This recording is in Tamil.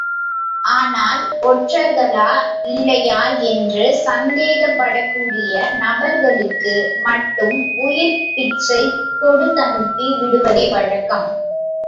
ஆனால் ஒற்றர்களா இல்லையா என்று சந்தேகப்படக்கூடிய நபர்களுக்கு மட்டும் உயிர்ப் பிச்சை கொடுத்தனுப்பி விடுவதே வழக்கம்.